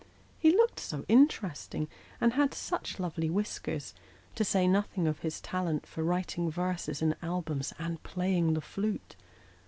He looked so interesting, and had such lovely whiskers : to say nothing of his talent for writing verses in albums and playing the flute!